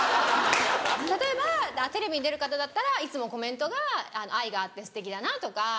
例えばテレビに出る方だったらいつもコメントが愛があってすてきだなとか。